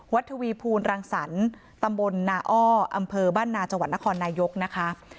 ทวีภูลรังสรรค์ตำบลนาอ้ออำเภอบ้านนาจังหวัดนครนายกนะคะ